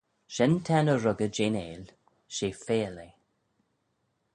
Shen t'er ny ruggey jeh'n 'eill, she feill eh.